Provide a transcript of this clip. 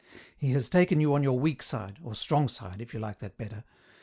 He has taken you on your weak side — or strong side, if you like that better.